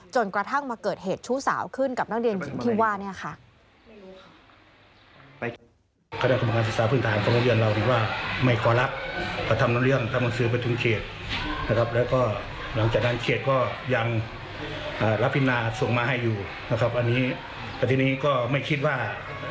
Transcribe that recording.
จนกระทั่งมาเกิดเหตุชู้สาวขึ้นกับนักเรียนที่ว่า